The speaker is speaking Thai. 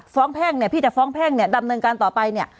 แพ่งเนี่ยพี่จะฟ้องแพ่งเนี่ยดำเนินการต่อไปเนี่ย